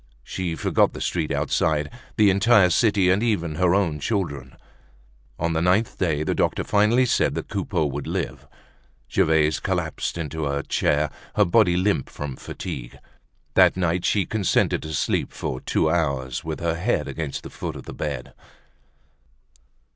She forgot the street outside, the entire city, and even her own children. On the ninth day, the doctor finally said that Coupeau would live. Gervaise collapsed into a chair, her body limp from fatigue. That night she consented to sleep for two hours with her head against the foot of the bed.